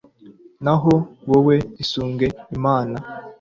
naho wowe, isunge imana